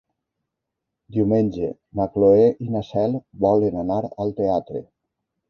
Diumenge na Cloè i na Cel volen anar al teatre.